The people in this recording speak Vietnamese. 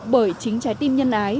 bởi chính trái tim nhân ái